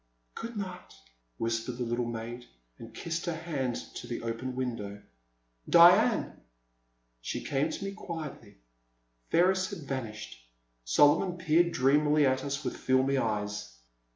*' Good night,*' whispered the little maid, and kissed her hand to the open window. Diane! She came to me quietly. Ferris had vanished ; Solomon peered dreamily at us with filmy eyes.